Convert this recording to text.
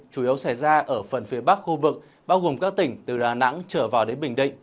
chủ yếu xảy ra ở phần phía bắc khu vực bao gồm các tỉnh từ đà nẵng trở vào đến bình định